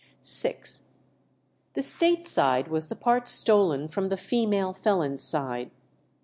vi. The state side was the part stolen from the female felons' side.